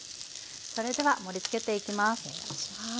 それでは盛りつけていきます。